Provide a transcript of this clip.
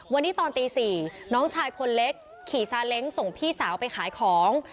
วันนี้ตอนตี๔น้องชายคนเล็กขี่ซาเล้งส่งพี่สาวไปขายของ